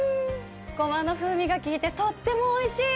ごまの風味が利いてとっても美味しい！